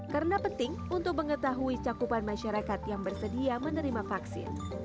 karena penting untuk mengetahui cakupan masyarakat yang bersedia menerima vaksin